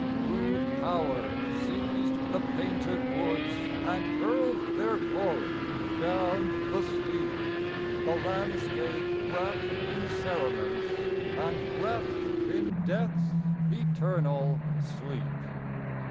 Rude power seized the painted woods And hurled their glory down the steep, The landscape wrapt in cerements And left in death's eternal sleep.